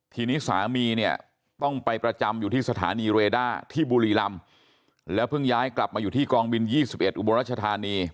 ทีนี้สามีเนี่ยต้องไปประจำอยู่ที่สถานีเรด้าที่บุรีรำแล้วเพิ่งย้ายกลับมาอยู่ที่กองบิน๒๑อุบลรัชธานี